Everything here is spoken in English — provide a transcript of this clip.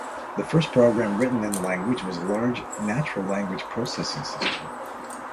The first program written in the language was a large natural-language processing system.